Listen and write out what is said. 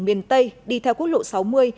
miền tây đi theo quốc lộ sáu mươi